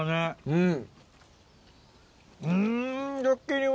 うん！